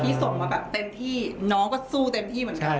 ส่งมาแบบเต็มที่น้องก็สู้เต็มที่เหมือนกัน